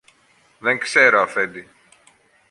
Δεν ξέρω, Αφέντη.